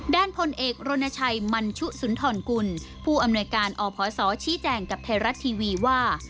พลเอกรณชัยมันชุสุนทรกุลผู้อำนวยการอพศชี้แจงกับไทยรัฐทีวีว่า